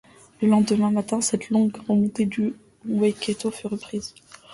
Le lendemain matin, cette longue remontée du Waikato fut reprise.